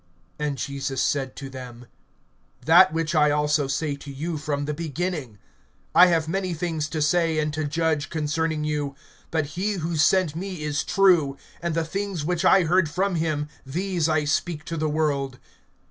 And Jesus said to them: That which I also say to you from the beginning. (26)I have many things to say and to judge concerning you. But he who sent me is true; and the things which I heard from him, these I speak to the world.